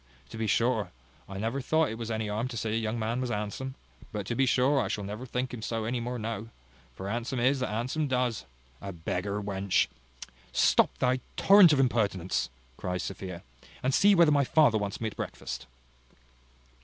To be sure, I never thought as it was any harm to say a young man was handsome; but to be sure I shall never think him so any more now; for handsome is that handsome does. A beggar wench! " "Stop thy torrent of impertinence," cries Sophia, "and see whether my father wants me at breakfast."